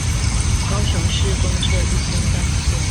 高雄市公車一心幹線